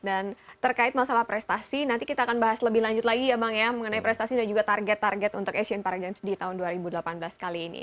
dan terkait masalah prestasi nanti kita akan bahas lebih lanjut lagi ya bang ya mengenai prestasi dan juga target target untuk asian para games di tahun dua ribu delapan belas kali ini